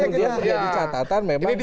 menjadi catatan memang bahwa